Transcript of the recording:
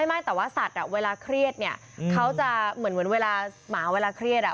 ไม่แต่ว่าสัตว์เวลาเครียดเนี่ยเขาจะเหมือนเวลาหมาเวลาเครียด